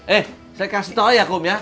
eh saya kasih tau ya kum ya